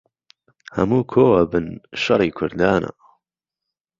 ههموو کۆ ئهبن شهڕی کوردانه